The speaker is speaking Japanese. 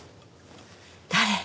誰？